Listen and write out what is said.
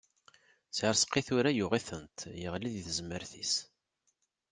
Si Rezqi tura yuɣ-itent yeɣli di tezmert-is.